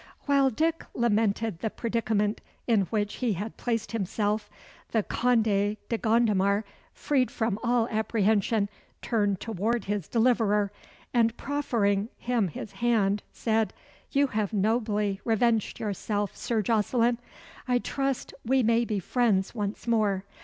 While Dick lamented the predicament in which he had placed himself, the Conde de Gondomar, freed from all apprehension, turned towards his deliverer, and proffering him his hand, said "You have nobly revenged yourself, Sir Jocelyn. I trust we may be friends once more.